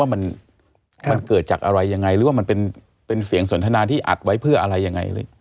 มันเกิดจากอะไรยังไงหรือว่ามันเป็นเสียงสนทนาที่อัดไว้เพื่ออะไรยังไง